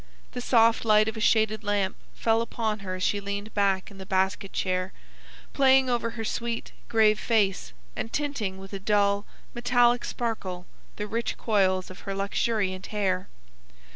The soft light of a shaded lamp fell upon her as she leaned back in the basket chair, playing over her sweet, grave face, and tinting with a dull, metallic sparkle the rich coils of her luxuriant hair.